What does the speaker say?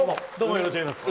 よろしくお願いします。